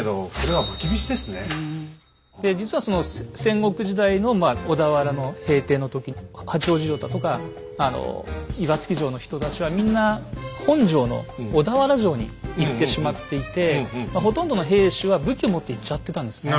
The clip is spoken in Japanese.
で実はその戦国時代の小田原の平定の時に八王子城だとかあの岩槻城の人たちはみんな本城の小田原城に行ってしまっていてまあほとんどの兵士は武器を持って行っちゃってたんですね。